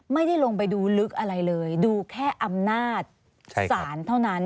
ไม่ได้ลงไปดูลึกอะไรเลยดูแค่อำนาจศาลเท่านั้น